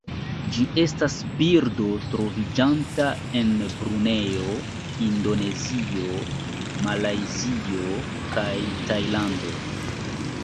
Ĝi estas birdo troviĝanta en Brunejo, Indonezio, Malajzio kaj Tajlando.